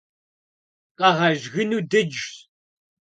Къэгъэжь гыну дыджщ.